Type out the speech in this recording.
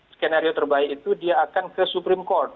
skenario terbaik itu dia akan ke supreme court